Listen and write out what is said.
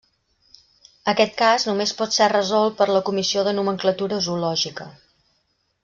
Aquest cas només pot ser resolt per la Comissió de Nomenclatura Zoològica.